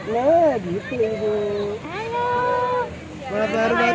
maksudnya ibu masih hidup kuat